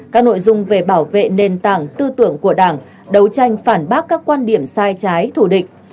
các nội dung về bảo vệ nền tảng tư tưởng của đảng đấu tranh phản bác các quan điểm sai trái thủ địch